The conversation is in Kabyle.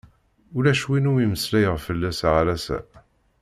Ulac win umi meslayeɣ fell-as ar ass-a.